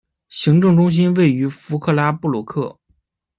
行政中心位于弗克拉布鲁克。